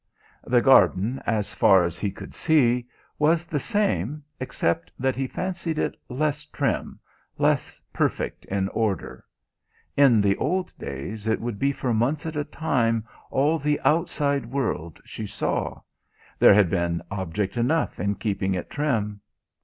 The garden, as far as he could see, was the same except that he fancied it less trim, less perfect in order: in the old days it would be for months at a time all the outside world she saw there had been object enough in keeping it trim.